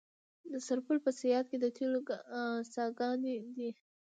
د سرپل په صیاد کې د تیلو څاګانې دي.